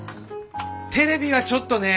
テレビはちょっとね。